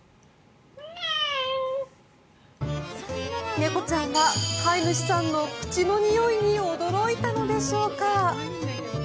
猫ちゃんは飼い主さんの口のにおいに驚いたのでしょうか。